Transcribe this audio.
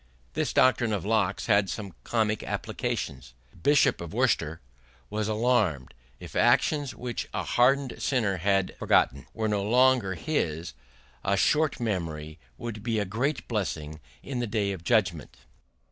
This doctrine of Locke's had some comic applications. The Bishop of Worcester was alarmed. If actions which a hardened sinner had forgotten were no longer his, a short memory would be a great blessing in the Day of Judgment.